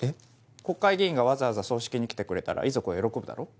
国会議員がわざわざ葬式に来てくれたら遺族は喜ぶだろ？